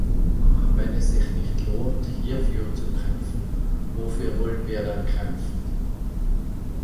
Wenn es sich nicht lohnt, hierfür zu kämpfen, wofür wollen wir dann kämpfen?